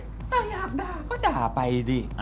นาอยากดาก็ดาไปสิ